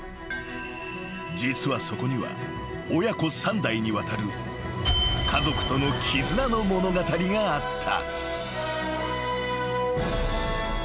［実はそこには親子三代にわたる家族との絆の物語があった］